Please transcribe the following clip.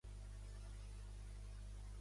Maria Vasco és una atleta nascuda a Viladecans.